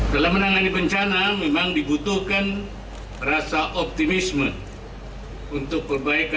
dalam menangani bencana memang dibutuhkan rasa optimisme untuk perbaikan